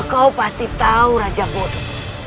kau pasti tahu raja bodoh